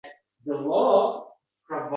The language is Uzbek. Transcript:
Biz sizlarga qalqon bo’lmaymiz endi